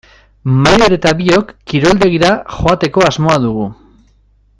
Maider eta biok kiroldegira joateko asmoa dugu.